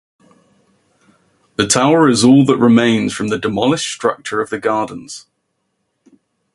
The tower is all that remains from the demolished structure of the Gardens.